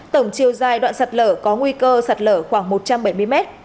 tổng chiều dài đoạn sạt lở có nguy cơ sạt lở khoảng một trăm bảy mươi mét